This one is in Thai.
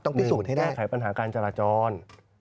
พิสูจน์ให้ได้แก้ไขปัญหาการจราจร